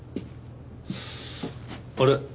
あれ？